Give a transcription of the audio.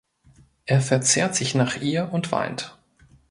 Er verzehrt sich nach ihr und weint.